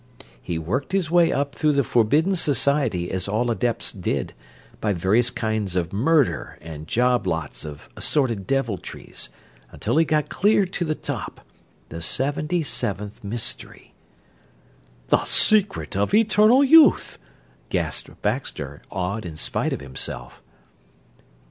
He worked his way up through the Forbidden Society as all adepts did, by various kinds of murder and job lots of assorted deviltries, until he got clear to the top the seventy seventh mystery...." "The secret of eternal youth!" gasped Baxter, awed in spite of himself.